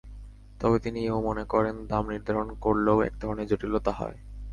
তবে তিনি এ-ও মনে করেন, দাম নির্ধারণ করলেও একধরনের জটিলতা হয়।